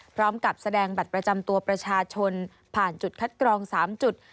พร้อมกับแสดงบัตรประจำตัวประชาชนผ่านจุดคัดกรอง๓จุด